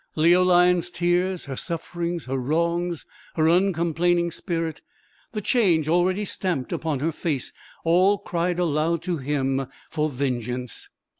Leoline's tears, her sufferings, her wrongs, her uncomplaining spirit, the change already stamped upon her face, all cried aloud to him for vengeance.